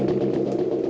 ya kok terus kapan